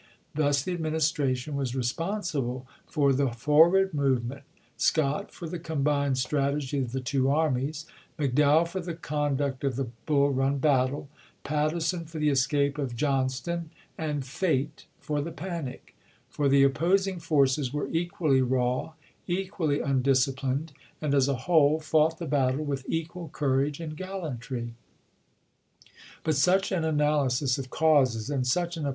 Thus the Administration was responsible for the forward movement, Scott for the combined strategy of the two armies, McDowell for the conduct of the Bull Run battle, Patterson for the escape of John ston, and Fate for the panic; for the opposing forces were equally raw, equally undisciplined, and as a whole fought the battle with equal courage and gallantry. BULL EUN 361 But such an analysis of causes and such an ap chap.